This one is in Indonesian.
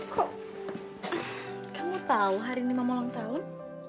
kok kamu tahu hari ini mau ulang tahun